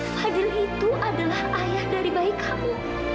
fajar itu adalah ayah dari bayi kamu